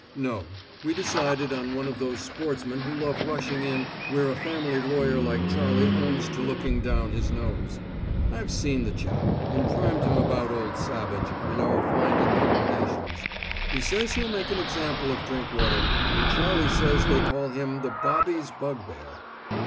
"No. We decided on one of those sportsmen who love rushing in where a family lawyer like Charlie owns to looking down his nose. I've seen the chap, and primed him up about old Savage, and our find in the foundations. He says he'll make an example of Drinkwater, and Charlie says they call him the Bobby's Bugbear!"